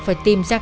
phải tìm ra